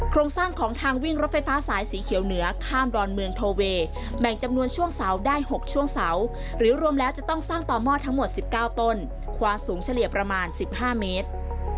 โครงสร้างของทางวิ่งรถไฟฟ้าสายสีเขียวเหนือข้ามดอนเมืองโทเวย์แบ่งจำนวนช่วงเสาได้๖ช่วงเสาหรือรวมแล้วจะต้องสร้างต่อหม้อทั้งหมด๑๙ต้นความสูงเฉลี่ยประมาณ๑๕เมตร